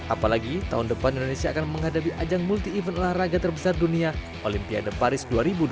apalagi tahun depan indonesia akan menghadapi ajang multi event olahraga terbesar dunia olimpiade paris dua ribu dua puluh